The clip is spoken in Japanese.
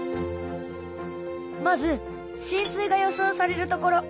まず浸水が予想される所。